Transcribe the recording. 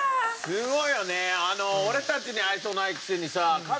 すごいよね。